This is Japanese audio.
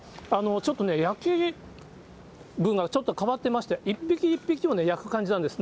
ちょっと焼き具がちょっと変わってまして、一匹一匹を焼く感じなんです。